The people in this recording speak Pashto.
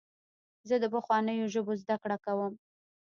زه د پخوانیو ژبو زدهکړه کوم.